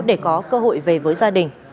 để có cơ hội về với gia đình